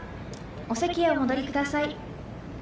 お席へお戻りください。